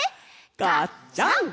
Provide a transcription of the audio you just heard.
ガッチャン！